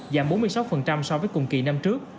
giảm bốn mươi sáu so với cùng kỳ năm trước